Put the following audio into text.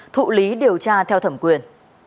thụ lý điều tra theo thẩm quyền